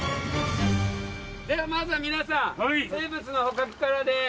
ではまずは皆さん生物の捕獲からです。